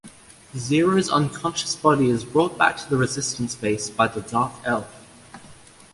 Zero's unconscious body is brought back to the Resistance Base by the Dark Elf.